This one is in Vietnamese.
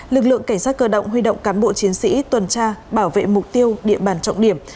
lực lượng cảnh sát cơ động huy động cán bộ chiến sĩ tuần tra bảo vệ mục tiêu địa bàn trọng điểm